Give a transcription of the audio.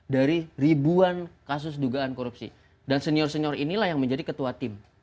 dari ribuan kasus dugaan korupsi dan senior senior inilah yang menjadi ketua tim